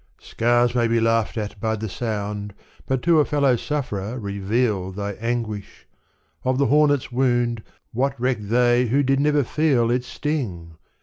Scars may be laughed at by the sound. But to a fellow sufferer reveal Thy anguish. Of the hornet's wound What reck they who did never feel Its sting?